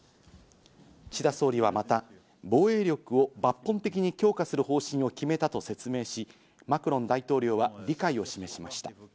岸田総理はまた防衛力を抜本的に強化する方針を決めたと説明し、マクロン大統領は理解を示しました。